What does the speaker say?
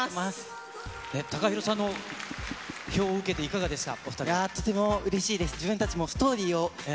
ＴＡＫＡＨＩＲＯさんの評を受けていかがですか？